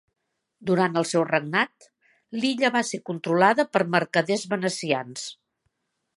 Durant el seu regnat, l'illa va ser controlada per mercaders venecians.